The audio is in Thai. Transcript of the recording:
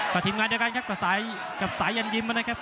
ก็ทีมงานเดียวกันครับกับสายกับสายยันยิ้มนะครับ